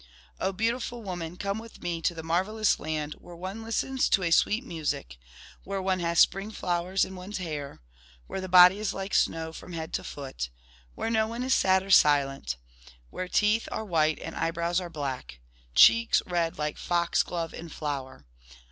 * O beautiful woman, come with me to the marvellous land where one listens to a sweet music, where one has spring flowers in one's hair, where the body is like snow from head to foot, where no one is sad or silent, where teeth are white and eyebrows are black ... cheeks red like foxglove in flower.